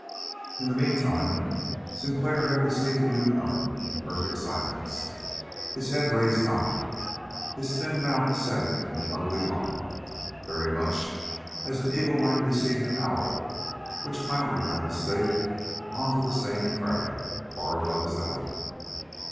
In the meantime Sinclair had received the newcomer in perfect silence, his head raised high, his thin mouth set in an Ugly line very much as an eagle might receive an owl which floundered by mistake onto the same crag, far above his element.